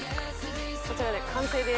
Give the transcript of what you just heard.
こちらで完成です。